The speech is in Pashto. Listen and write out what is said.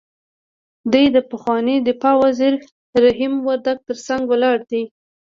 دی د پخواني دفاع وزیر رحیم وردګ تر څنګ ولاړ دی.